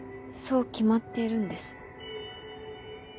そう決まっているんです。